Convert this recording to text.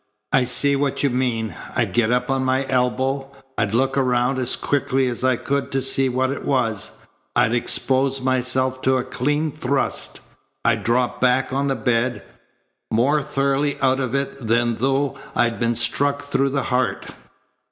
"I see what you mean. I'd get up on my elbow. I'd look around as quickly as I could to see what it was. I'd expose myself to a clean thrust. I'd drop back on the bed, more thoroughly out of it than though I'd been struck through the heart."